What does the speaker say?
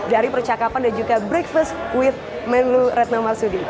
dari percakapan dan juga breakfast with menu retno marsudi